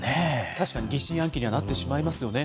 確かに疑心暗鬼にはなってしまいますよね。